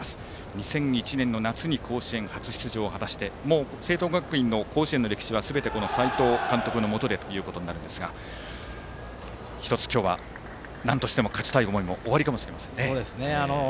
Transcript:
２００１年の夏に甲子園初出場を果たしてもう聖光学院の甲子園の歴史はすべて斎藤監督のもとでということになりますが１つ、今日はなんとしても勝ちたい思いもおありかもしれませんね。